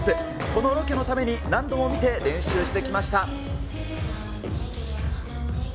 このロケのために何度も見て練習してきました。